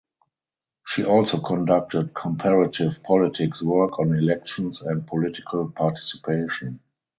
She also conducted comparative politics work on elections and political participation.